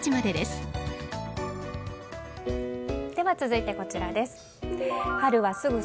では、続いてこちらです。